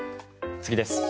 次です。